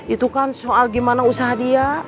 itu kan soal gimana usaha dia